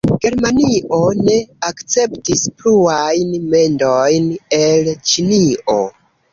Germanio ne akceptis pluajn mendojn el Ĉinio.